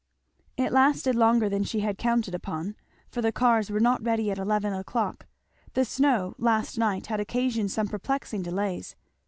It lasted longer than she bad counted upon. For the cars were not ready at eleven o'clock; the snow last night had occasioned some perplexing delays.